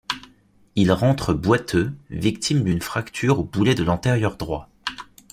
Il rentre boiteux, victime d'une fracture au boulet de l'antérieur droit.